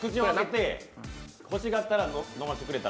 欲しがったら飲ませてくれたら。